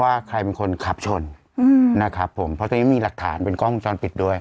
ว่าใครเป็นคนขับชนนะครับผมเพราะตอนนี้มีหลักฐานเป็นกล้องวงจรปิดด้วย